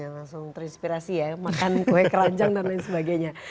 langsung terinspirasi ya makan kue keranjang dan lain sebagainya